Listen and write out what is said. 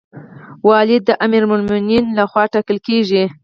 والی د امیرالمؤمنین لخوا ټاکل کیږي